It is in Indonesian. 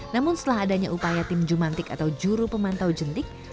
namun setelah adanya upaya tim jumantik atau juru pemantau jentik